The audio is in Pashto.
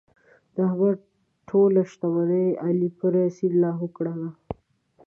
د احمد ټوله شتمني علي په سیند لاهو کړله.